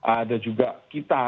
ada juga kita